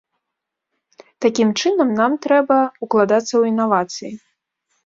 Такім чынам, нам трэба ўкладацца ў інавацыі.